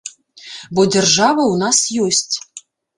Бо дзяржава ў нас ёсць.